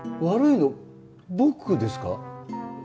悪いの僕ですか？